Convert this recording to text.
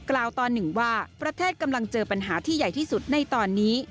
ตอนหนึ่งว่าประเทศกำลังเจอปัญหาที่ใหญ่ที่สุดในตอนนี้